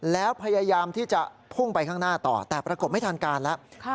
แล้วพยายามที่จะพุ่งไปข้างหน้าต่อแต่ปรากฏไม่ทันการแล้ว